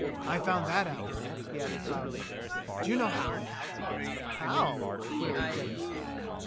I found that out," he added proudly. "Do you know how.?^" "How?" queried Denis.